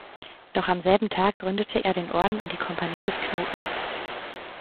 Noch am selben Tag gründete er den „Orden und die Kompanie des Knotens“.